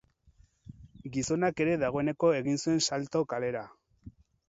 Gizonak ere dagoeneko egin zuen salto kalera.